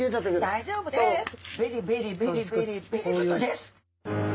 大丈夫です！